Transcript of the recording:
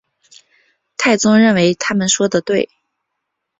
太宗认为他们说得对。